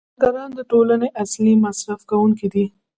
کارګران د ټولنې اصلي مصرف کوونکي دي